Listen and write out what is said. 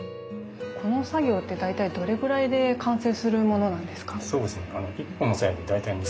この作業って大体どれぐらいで完成するものなんですか？